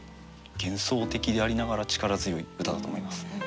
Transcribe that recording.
幻想的でありながら力強い歌だと思います。